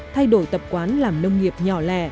thay đổi tập quán làm nông nghiệp nhỏ lẻ